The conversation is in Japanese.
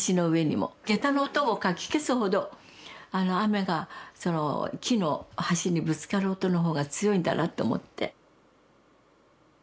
下駄の音をかき消すほど雨が木の橋にぶつかる音の方が強いんだなと思って。